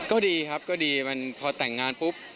ก็ดีครับก็ดีมันพอแต่งงานปุ๊บ